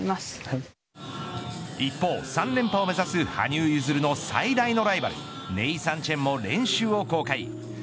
一方３連覇を目指す羽生結弦の最大のライバルネイサン・チェンも練習を公開。